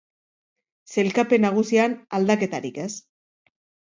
Sailkapen nagusian, aldaketarik ez.